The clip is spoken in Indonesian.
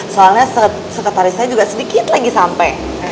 soalnya sekretarisnya juga sedikit lagi sampe